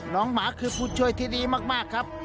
หมาคือผู้ช่วยที่ดีมากครับ